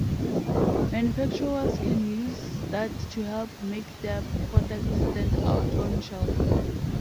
Manufacturers can use that to help make their products stand out on shelves.